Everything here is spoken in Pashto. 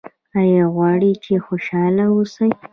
ایا غواړئ چې خوشحاله اوسئ؟